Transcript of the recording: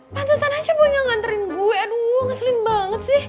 pantesan aja boy gak nganterin gue aduh ngeselin banget sih